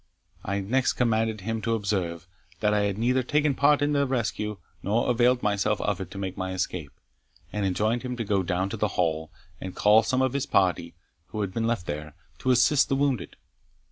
I next commanded him to observe, that I had neither taken part in the rescue, nor availed myself of it to make my escape, and enjoined him to go down to the Hall, and call some of his party, who had been left there, to assist the wounded.